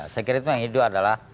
saya kira itu yang hidup adalah